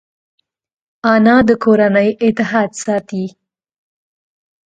انا د کورنۍ اتحاد ساتي